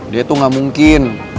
dia tuh gak mungkin